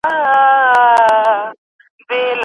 خاوند څه ډول ځانګړی دی؟